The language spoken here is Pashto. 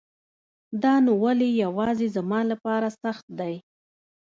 دا نو ولی يواځي زما لپاره سخت دی